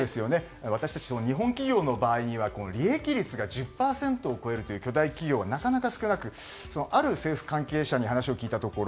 私たち、日本企業の場合には利益率が１０％を超えるという巨大企業はなかなか少なくある政府関係者に話を聞いたところ